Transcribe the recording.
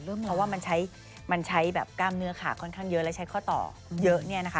เพราะว่ามันใช้กล้ามเนื้อขาค่อนข้างเยอะและใช้ข้อต่อเยอะ